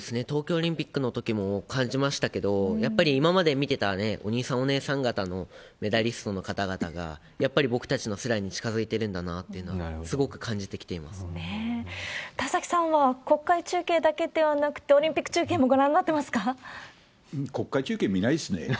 東京オリンピックのときも感じましたけれども、やっぱり今まで見てたお兄さん、お姉さん方のメダリストの方々が、やっぱり僕たちの世代に近づいてるんだなっていうのがすごく感じ田崎さんは国会中継だけではなくて、オリンピック中継もご覧になってますか？